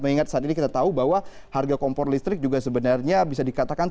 mengingat saat ini kita tahu bahwa harga kompor listrik juga sebenarnya bisa dikatakan